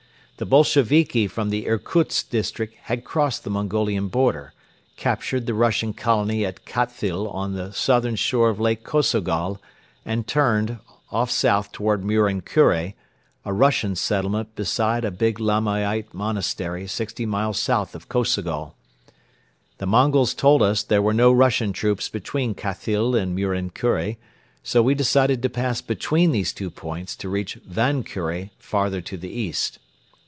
The Bolsheviki from the Irkutsk district had crossed the Mongolian border, captured the Russian colony at Khathyl on the southern shore of Lake Kosogol and turned, off south toward Muren Kure, a Russian settlement beside a big Lamaite monastery sixty miles south of Kosogol. The Mongols told us there were no Russian troops between Khathyl and Muren Kure, so we decided to pass between these two points to reach Van Kure farther to the east.